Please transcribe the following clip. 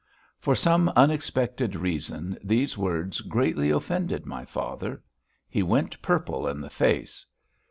For some unexpected reason these words greatly offended my father. He went purple in the face.